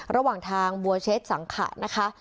ระหว่างทางบัวเชฟสังขาฤทธิ์